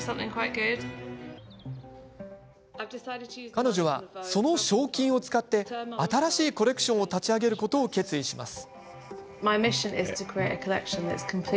彼女は、その賞金を使って新しいコレクションを立ち上げることを決意します。